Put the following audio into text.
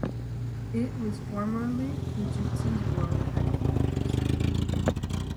It was formerly Fujitsu's world headquarters.